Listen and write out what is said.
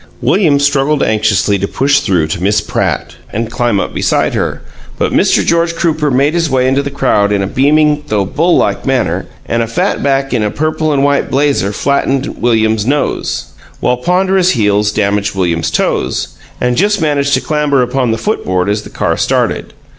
William struggled anxiously to push through to Miss Pratt and climb up beside her, but Mr. George Crooper made his way into the crowd in a beaming, though bull like manner, and a fat back in a purple and white "blazer" flattened William's nose, while ponderous heels damaged William's toes; he was shoved back, and just managed to clamber upon the foot board as the car started.